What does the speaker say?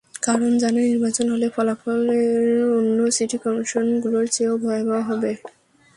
কারণ, জানে, নির্বাচন হলে ফলাফল অন্য সিটি করপোরেশনগুলোর চেয়েও ভয়াবহ হবে।